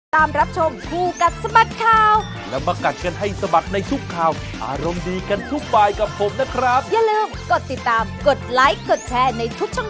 และดูสดพร้อมกันทาง